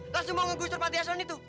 langsung mau ngegusur panti asuan itu